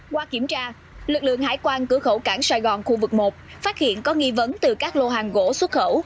qua kiểm tra lực lượng hải quan cửa khẩu cảng sài gòn khu vực một phát hiện có nghi vấn từ các lô hàng gỗ xuất khẩu